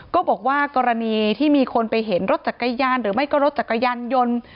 ก็บอกว่ากรณีที่มีคนไปเห็นรถจักรยานหรือไม่ก็รถจักรยานยนต์